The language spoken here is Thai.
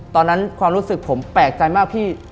ตอนนั้นความรู้สึกผมแปลกใจมากพี่